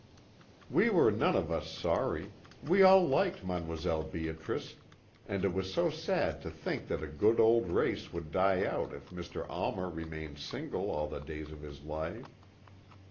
"We were none of us sorry; we all liked Mdlle. Beatrice, and it was sad to think that a good old race would die out if Mr. Almer remained single all the days of his life.